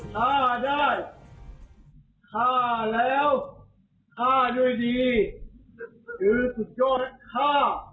ถ้าได้ฆ่าแล้วฆ่าด้วยดีหรือสุดยอดฆ่า